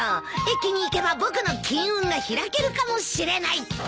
駅に行けば僕の金運が開けるかもしれない。